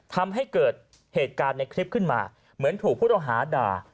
ทำให้เกิดเหตุการณ์ในคลิปขึ้นมาเหมือนถูกผู้ต้องหาด่า